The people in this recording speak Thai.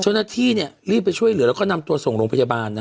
ชนะที่เนี่ยรีบไปช่วยเหลือแล้วก็นำตัวไปส่งโรงพยาบาลนะฮะ